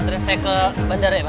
terus saya ke bandara ya pak